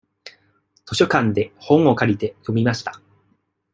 図書館で本を借りて、読みました。